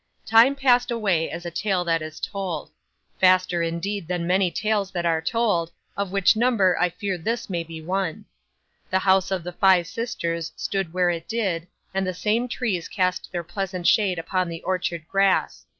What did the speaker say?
'Time passed away as a tale that is told; faster indeed than many tales that are told, of which number I fear this may be one. The house of the five sisters stood where it did, and the same trees cast their pleasant shade upon the orchard grass.